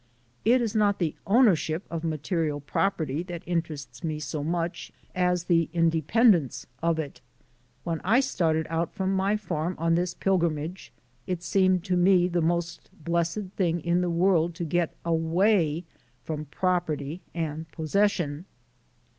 It is not the ownership of material property that interests me so much as the independence of it. When I started out from my farm on this pilgrimage it seemed to me the most blessed thing in the world to get away from property and possession."